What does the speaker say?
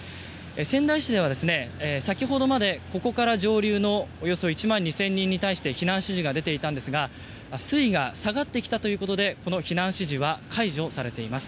仙台市では、先ほどまでここから上流のおよそ１万２０００人に対して避難指示が出ていたんですが水位が下がってきたということで避難指示は解除されています。